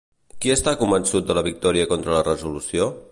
Qui està convençut de la victòria contra la resolució?